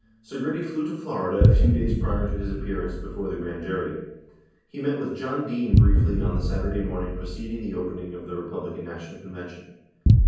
44 Segretti flew to Florida a few days prior to his appearance before the grand jury. He met with John Dean briefly on the Saturday morn ing preceding the opening of the Republication National Convention.